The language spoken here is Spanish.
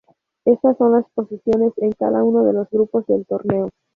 Estas son las posiciones en cada uno de los grupos del torneo.